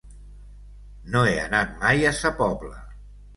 No he anat mai a Sa Pobla.